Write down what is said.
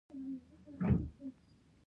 دوستي د ژوند ملګرتیا ده.